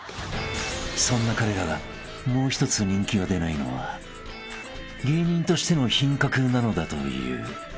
［そんな彼らがもうひとつ人気が出ないのは芸人としての品格なのだという］